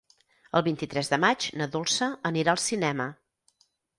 El vint-i-tres de maig na Dolça anirà al cinema.